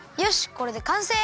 これでかんせい！